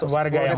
warga yang mana